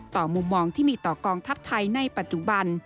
มุมมองที่มีต่อกองทัพไทยในปัจจุบัน